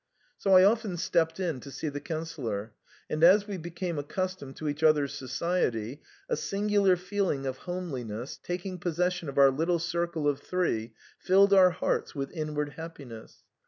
So I often stepped in to see the Coun cillor ; and as we became accustomed to each other's society, a singular feeling of homeliness, taking posses sion of our little circle of three, filled our hearts with inward happiness.